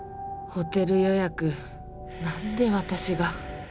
ホテル予約何で私が。